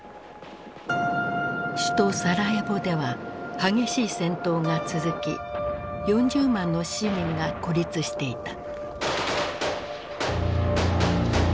首都サラエボでは激しい戦闘が続き４０万の市民が孤立していた。